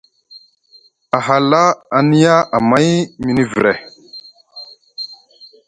A hala a niya amay mini vre,